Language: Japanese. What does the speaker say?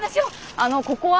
あのここは。